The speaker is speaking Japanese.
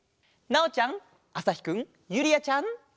なおちゃんあさひくんゆりあちゃん。